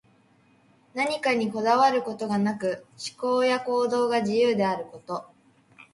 何かにこだわることがなく、思考や行動が自由であること。